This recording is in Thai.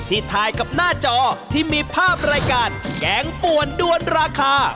ถ่ายกับหน้าจอที่มีภาพรายการแกงป่วนด้วนราคา